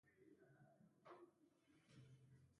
د تا خبره سمه ده خو زه یې نه منم